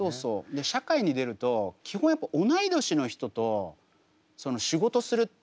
で社会に出ると基本やっぱ同い年の人と仕事するってほぼないんですよね。